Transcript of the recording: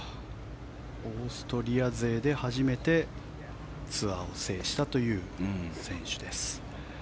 オーストリア勢で初めてツアーを制したという選手です。